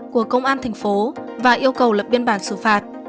của công an thành phố và yêu cầu lập biên bản xử phạt